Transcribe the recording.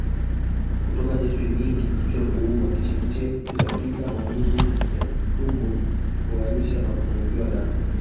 Kutoka jasho jingi kichwa kuuma Kichefuchefu Kutapika Maumivu ya tumboKuharisha na kupungukiwa damu